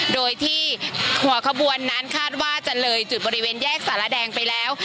โดยที่หัวขบวนนั้นคาดว่าจะเลยจุดบริเวณแยกสารแดงไปแล้ว